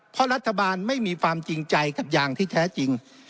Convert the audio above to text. เพราะรัฐบาลไม่มีความจริงใจกับอย่างที่แท้จริง